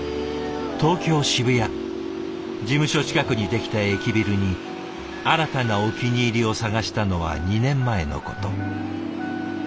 事務所近くにできた駅ビルに新たなお気に入りを探したのは２年前のこと。